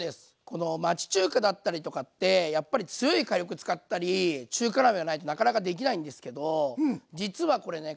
この町中華だったりとかってやっぱり強い火力使ったり中華鍋がないとなかなかできないんですけど実はこれね